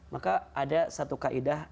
maka ada satu kaedah